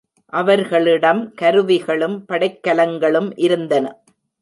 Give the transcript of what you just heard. அவர்களிடம் கருவிகளும் படைக்கலங்களும் இருந்தன.